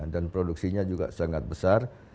dan produksinya juga sangat besar